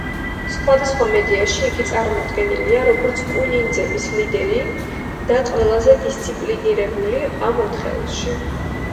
სხვადასხვა მედიაში იგი წარმოდგენილია, როგორც კუ ნინძების ლიდერი და ყველაზე დისციპლინირებული ამ ოთხეულში.